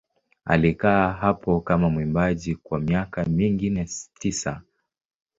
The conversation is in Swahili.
Alikaa hapo kama mwimbaji kwa miaka mingine tisa.